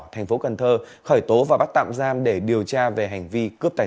thành phố cần thơ khởi tố và bắt tạm giam để điều tra về hành vi